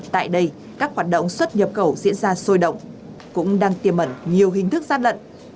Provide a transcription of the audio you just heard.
tại đây các hoạt động xuất nhập khẩu diễn ra sôi động cũng đang tiềm ẩn nhiều hình thức gian lận